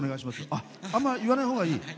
あんま言わないほうがいい。